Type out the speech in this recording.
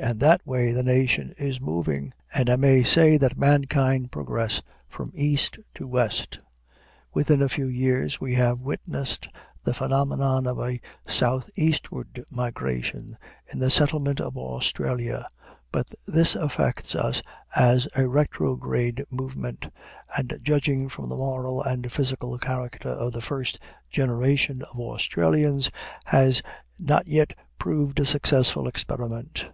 And that way the nation is moving, and I may say that mankind progress from east to west. Within a few years we have witnessed the phenomenon of a southeastward migration, in the settlement of Australia; but this affects us as a retrograde movement, and judging from the moral and physical character of the first generation of Australians, has not yet proved a successful experiment.